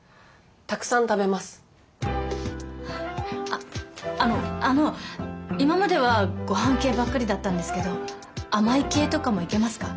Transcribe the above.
あっあのあの今まではごはん系ばっかりだったんですけど甘い系とかもいけますか？